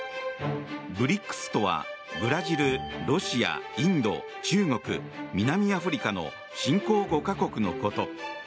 ＢＲＩＣＳとはブラジル、ロシア、インド中国、南アフリカの新興５か国のこと。